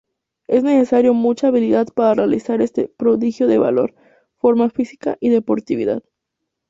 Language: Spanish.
Es necesario mucha habilidad para realizar este prodigio de valor, forma física y deportividad.